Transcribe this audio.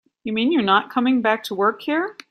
You mean you're not coming back to work here?